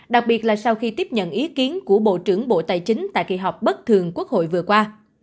đặc biệt là sau khi tiếp nhận ý kiến của bộ trưởng bộ tài chính tại kỳ họp bất thường quốc hội vừa qua